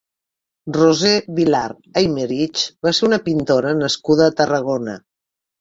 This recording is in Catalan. Roser Vilar Aymerich va ser una pintora nascuda a Tarragona.